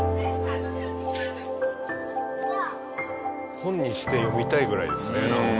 本にして読みたいぐらいですねなんか。